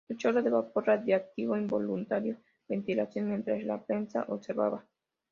El chorro de vapor radiactivo involuntariamente ventilación mientras la prensa observaba.